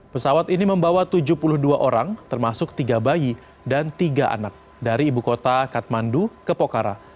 pesawat ini membawa tujuh puluh dua orang termasuk tiga bayi dan tiga anak dari ibu kota kathmandu ke pokhara